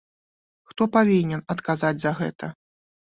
Хто павінен адказаць за гэта?